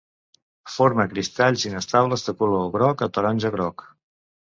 Forma cristalls inestables de color groc a taronja-groc.